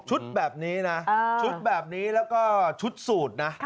แบบนี้นะชุดแบบนี้แล้วก็ชุดสูตรนะ